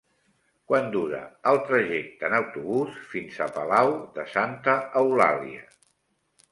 Quant dura el trajecte en autobús fins a Palau de Santa Eulàlia?